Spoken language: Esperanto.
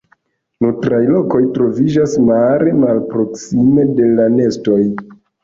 Nutraj lokoj troviĝas mare malproksime de la nestoj.